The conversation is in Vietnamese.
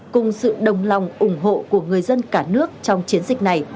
cùng sự đồng lòng ủng hộ của người dân cả nước trong chiến dịch này